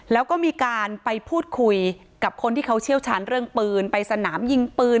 แล้วก็มีการไปพูดคุยกับคนที่เขาเชี่ยวชาญเรื่องปืนไปสนามยิงปืน